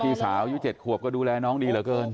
พี่สาวอายุ๗ขวบก็ดูแลน้องดีเหลือเกิน